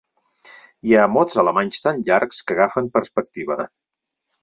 Hi ha mots alemanys tan llargs que agafen perspectiva.